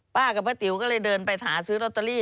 ป้ากับป้าติ๋วก็เลยเดินไปหาซื้อลอตเตอรี่